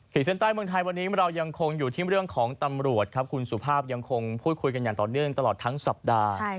เส้นใต้เมืองไทยวันนี้เรายังคงอยู่ที่เรื่องของตำรวจครับคุณสุภาพยังคงพูดคุยกันอย่างต่อเนื่องตลอดทั้งสัปดาห์